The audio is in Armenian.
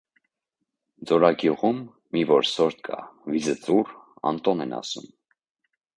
- Ձորագյուղում մի որսորդ կա, վիզը ծուռ Անտոն են ասում: